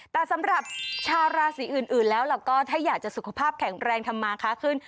แต่สำหรับชาวราศีอื่นแล้วเราก็ถ้าอยากจะสุขภาพแข็งแรงทำมาค้าขึ้น